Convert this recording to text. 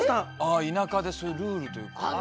田舎でそういうルールというか。